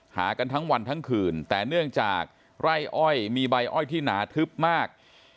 หากันทั้งวันทั้งคืนแต่เนื่องจากไร่อ้อยมีใบอ้อยที่หนาทึบมาก